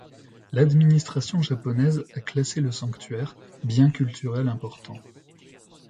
L'administration japonaise a classé le sanctuaire bien culturel important.